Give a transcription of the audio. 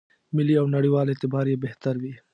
ملي او نړېوال اعتبار یې بهتر وي.